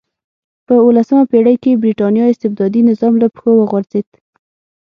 په اولسمه پېړۍ کې برېټانیا استبدادي نظام له پښو وغورځېد.